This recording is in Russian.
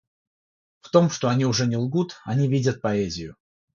В том, что они уже не лгут, они видят поэзию.